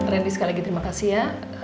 trendy sekali lagi terima kasih ya